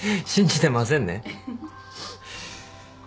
信じてませんね。